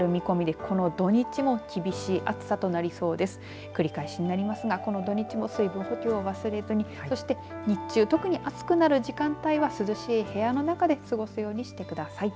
繰り返しになりますがこの土日も水分補給を忘れずにそして日中特に暑くなる時間帯は涼しい部屋の中で過ごすようにしてください。